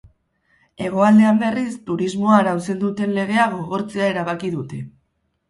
Hegoaldean, berriz, turismoa arautzen duten legea gogortzea erabaki dute.